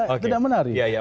kan tidak menarik